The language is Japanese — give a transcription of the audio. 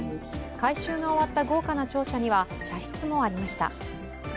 改修が終わった豪華な庁舎には茶室もありました。